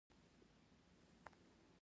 د تخمدان د کیست لپاره د پیاز اوبه وکاروئ